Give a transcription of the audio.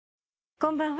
こんばんは。